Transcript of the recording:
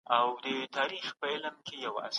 د مایکرو فلم ریډر په مرسته واړه توري لیدل کیږي.